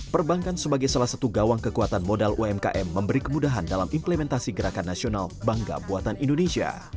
perbankan sebagai salah satu gawang kekuatan modal umkm memberi kemudahan dalam implementasi gerakan nasional bangga buatan indonesia